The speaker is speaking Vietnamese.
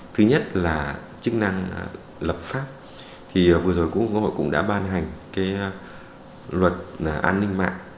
thứ nhất là chức năng lập pháp thì vừa rồi quốc hội cũng đã ban hành cái luật an ninh mạng